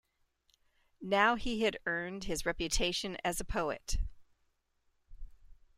Now he had earned his reputation as a poet.